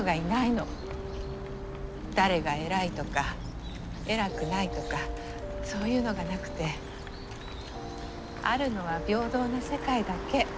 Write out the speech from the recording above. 誰が偉いとか偉くないとかそういうのがなくてあるのは平等な世界だけ。